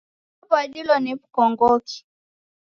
Waw'adilo ni w'ukongoki?